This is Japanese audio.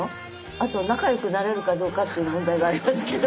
あと仲良くなれるかどうかっていう問題がありますけど。